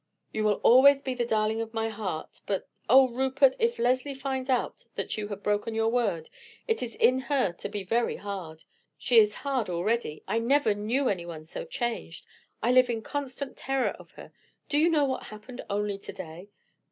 You will always be the darling of my heart; but oh, Rupert, if Leslie finds out that you have broken your word, it is in her to be very hard. She is hard already. I never knew anyone so changed. I live in constant terror of her. Do you know what happened only to day?"